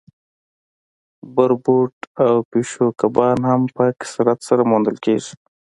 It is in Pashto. بربوټ او پیشو کبان هم په کثرت سره موندل کیږي